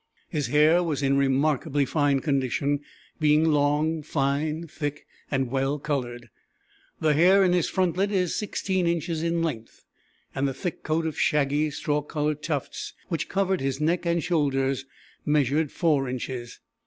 His hair was in remarkably fine condition, being long, fine, thick, and well colored. The hair in his frontlet is 16 inches in length, and the thick coat of shaggy, straw colored tufts which covered his neck and shoulders measured 4 inches.